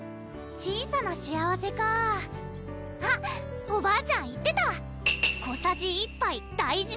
小さな幸せかあっおばあちゃん言ってたうむ！